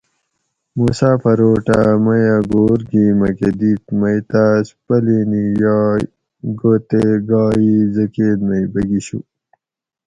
مسافروٹہ میہ گھور گی مکہ دیت مئی تاس پلینی یائی گو تے گائے ای زکیت مئی بگیشو